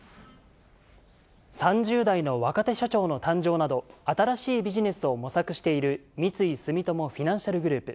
３０代の若手社長の誕生など、新しいビジネスを模索している三井住友フィナンシャルグループ。